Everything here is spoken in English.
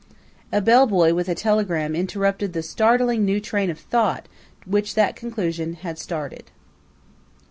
_" A bellboy with a telegram interrupted the startling new train of thought which that conclusion had started.